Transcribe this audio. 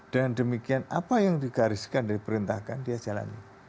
dan demikian apa yang digariskan dari perintahkan dia jalani